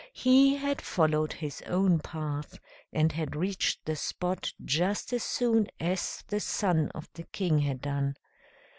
He had followed his own path, and had reached the spot just as soon as the son of the king had done.